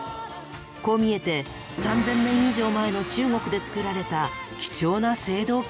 こう見えて３０００年以上前の中国で作られた貴重な青銅器なんです。